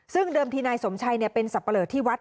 ซึ่งเดิมทีนายสมชัยเป็นสับปะเลอที่วัด